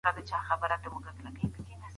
د مځکي لاندي د ژوند نښې پیدا سوې.